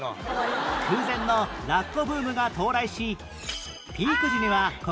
空前のラッコブームが到来し